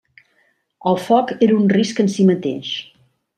El foc era un risc en si mateix.